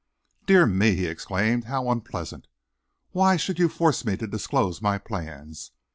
"Dear me," he exclaimed, "how unpleasant! Why should you force me to disclose my plans?